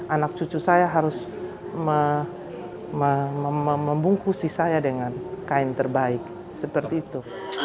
anak cucu saya harus membungkusi saya dengan kain terbaik seperti itu